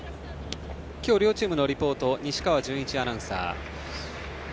今日、両チームのリポート西川順一アナウンサー。